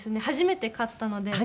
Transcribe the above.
初めて勝ったの？